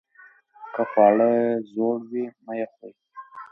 که خواړه زوړ وي مه یې خورئ.